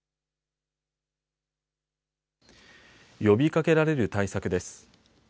呼びかけられる対策です。